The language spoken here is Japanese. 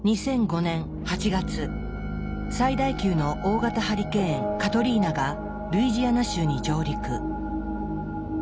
最大級の大型ハリケーン・カトリーナがルイジアナ州に上陸。